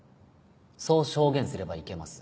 そう証言すればいけます。